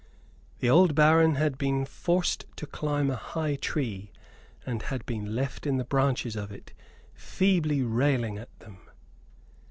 The old baron had been forced to climb a high tree, and had been left in the branches of it feebly railing at them.